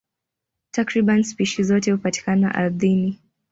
Takriban spishi zote hupatikana ardhini.